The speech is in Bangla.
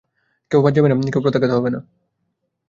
কেউ বাদ যাবে না, কেউ প্রত্যাখ্যাত হবে না।